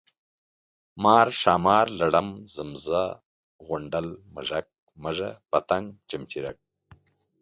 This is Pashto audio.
مار، ښامار ، لړم، زمزه، غونډل، منږک ، مږه، پتنګ ، چمچرک،